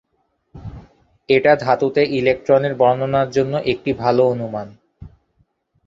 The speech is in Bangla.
এটা ধাতুতে ইলেকট্রন এর বর্ণনার জন্য একটি ভাল অনুমান।